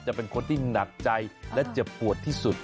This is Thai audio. จะเป็นคนที่หนักใจและเจ็บปวดที่สุด